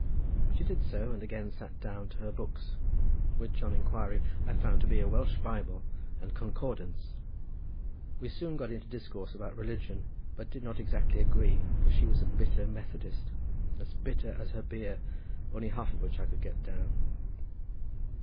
She did so and again sat down to her books, which on inquiry I found to be a Welsh Bible and Concordance. We soon got into discourse about religion, but did not exactly agree, for she was a bitter Methodist, as bitter as her beer, only half of which I could get down.